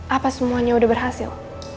apa semuanya udah berhasil